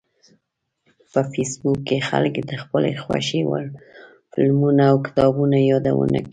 په فېسبوک کې خلک د خپلو خوښې وړ فلمونو او کتابونو یادونه کوي